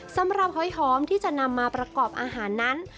หอยหอมที่จะนำมาประกอบอาหารนั้น